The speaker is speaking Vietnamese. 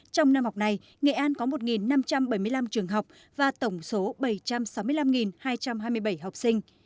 trong năm học này nghệ an có một năm trăm bảy mươi năm trường học và tổng số bảy trăm sáu mươi năm hai trăm hai mươi bảy học sinh